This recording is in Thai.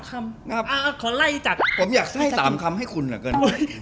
ขอ๓คำขอไล่จัดพี่จักกี้ผมอยากให้๓คำให้คุณเหรอเกิน